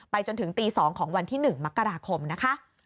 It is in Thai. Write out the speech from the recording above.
จนถึงตี๒ของวันที่๑มกราคมนะคะ